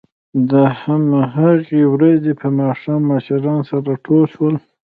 د همهغې ورځې په ماښام مشران سره ټول شول